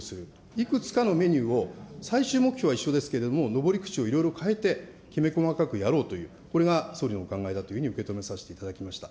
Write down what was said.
いくつかのメニューを最終目標は一緒ですけど、登り口を変えて、きめ細かくやろうという、これが総理のお考えだというふうに受け止めさせていただきました。